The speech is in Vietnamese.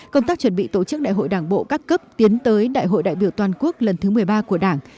công tác chuẩn bị tổ chức đại hội đảng bộ các cấp tiến tới đại hội đại biểu toàn quốc lần thứ một mươi ba của đảng